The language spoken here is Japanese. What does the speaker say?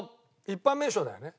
一般名称だよね？